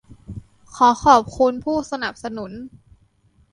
ขอขอบคุณผู้สนับสนุน